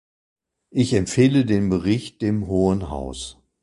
Ich empfehle den Bericht dem Hohen Haus.